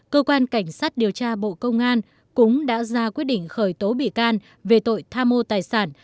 cơ quan cảnh sát điều tra bộ công an cũng đã ra quyết định khởi tố bị can về tội tham mô tài sản